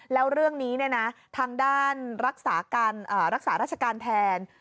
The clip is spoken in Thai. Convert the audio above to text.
แล้วเรื่องนี้ทางด้านรักษาราชการแทน